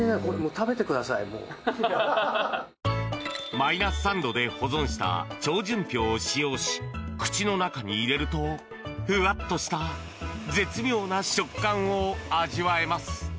マイナス３度で保存した超純氷を使用し口の中に入れると、ふわっとした絶妙な食感を味わえます。